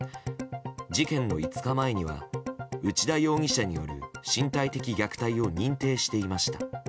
事件の５日前には内田容疑者による身体的虐待を認定していました。